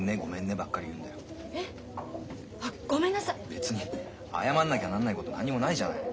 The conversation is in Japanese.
別に謝んなきゃなんないこと何にもないじゃない。